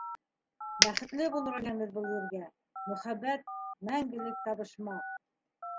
Бәхетле булырға килгәнбеҙ был ергә — Мөхәббәт — мәңгелек табышмаҡ.